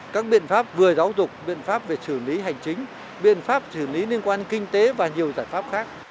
các biện pháp vừa giáo dục biện pháp về xử lý hành chính biện pháp xử lý liên quan kinh tế và nhiều giải pháp khác